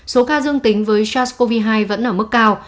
số ca dương tính với sars cov hai vẫn ở mức cao